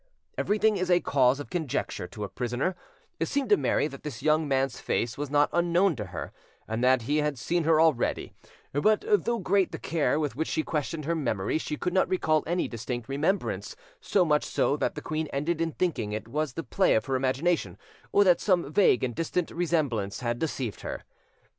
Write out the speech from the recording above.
Everything is a cause of conjecture to a prisoner: it seemed to Mary that this young man's face was not unknown to her, and that he had seen her already; but though great the care with which she questioned her memory, she could not recall any distinct remembrance, so much so that the queen ended in thinking it the play of her imagination, or that some vague and distinct resemblance had deceived her.